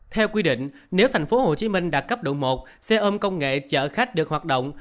theo quy định nếu tp hcm đạt cấp độ một xe ôm công nghệ chở khách được hoạt động